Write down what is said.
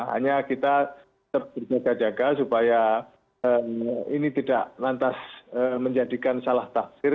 hanya kita tetap berjaga jaga supaya ini tidak lantas menjadikan salah taksir